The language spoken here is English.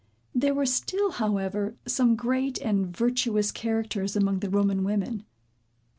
There were still, however, some great and virtuous characters among the Roman women.